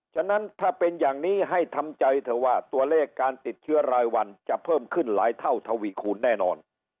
ฉะนั้นถ้าเป็นอย่างนี้ให้ทำใจเถอะว่าตัวเลขการติดเชื้อรายวันจะเพิ่มขึ้นหลายเท่าทวีคูณแน่นอน